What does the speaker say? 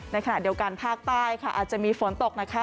ในขณะเดียวกันภาคใต้อาจจะมีฝนตก